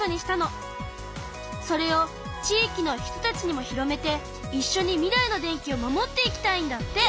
それを地域の人たちにも広めていっしょに未来の電気を守っていきたいんだって！